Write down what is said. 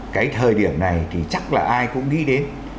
cái thời điểm này thì chắc là ai cũng nghĩ đến